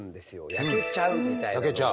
焼けちゃうみたいなのが。